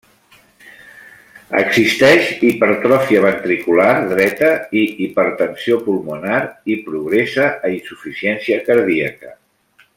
Existeix hipertròfia ventricular dreta i hipertensió pulmonar i progressa a insuficiència cardíaca.